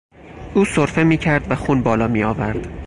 او سرفه میکرد و خون بالا میآورد.